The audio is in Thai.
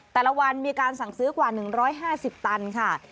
แต่ละวันมีการสั่งซื้อกว่า๑๕๐ตันค่ะ